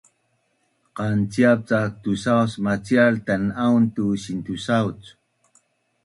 Qanciap cak tusauc macial tan’aun tu sintusauc